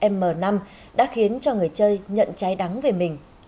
m năm đã khiến cho người chơi nhận trái đắng về mình